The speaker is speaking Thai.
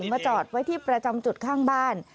มาจอดไว้ที่ประจำจุดข้างบ้าน